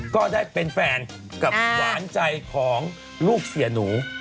ก็ได้เป็นแฟนกับหวานใจของลูกเสียหนู